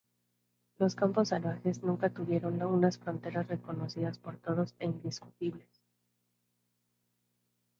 Los Campos Salvajes nunca tuvieron unas fronteras reconocidas por todos e indiscutibles.